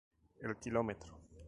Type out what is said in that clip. El km.